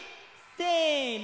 せの！